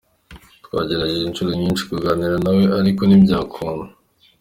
Twagerageje inshuro nyinshi kuganira na we, ariko ntibyakunda".